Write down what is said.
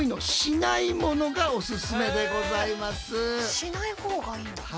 しない方がいいんだ。